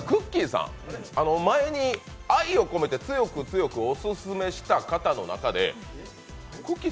さん、前に愛を込めて強く強くオススメした方の中で、くっきー！